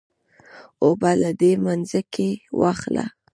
اوبۀ له دې منګي واخله